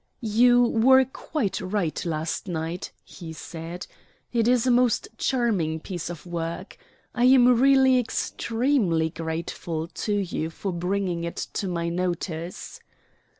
"You were quite right last night," he said, "it is a most charming piece of work. I am really extremely grateful to you for bringing it to my notice."